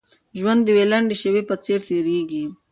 ژوند د يوې لنډې شېبې په څېر تېرېږي.